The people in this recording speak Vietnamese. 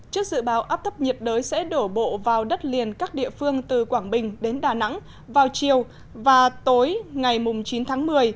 trước dự báo áp thấp nhiệt đới sẽ đổ bộ vào đất liền các địa phương từ quảng bình đến đà nẵng vào chiều và tối ngày chín tháng một mươi